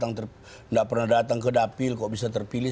tidak pernah datang ke dapil kok bisa terpilih